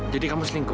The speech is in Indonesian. jadi kamu selingkuh